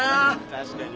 確かにね。